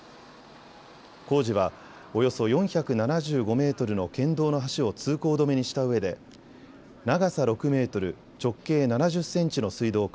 工事はおよそ４７５メートルの県道の橋を通行止めにしたうえで長さ６メートル、直径７０センチの水道管